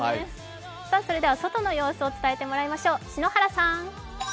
それでは外の様子を伝えてもらいましょう、篠原さん。